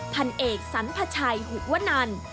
พันเอกสรรพชัยหุวนัน